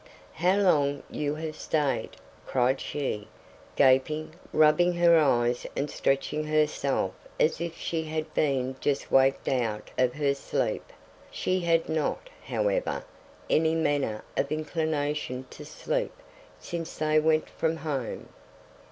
"How long you have stayed!" cried she, gaping, rubbing her eyes and stretching herself as if she had been just waked out of her sleep; she had not, however, any manner of inclination to sleep since they went from home.